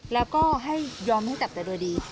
แล้วก็ให้ยอมให้จับแต่โดยดี